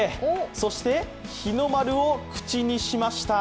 そして、日の丸を口にしました。